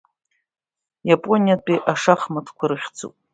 Иапониатәи ашахматқәа рыхьӡуп.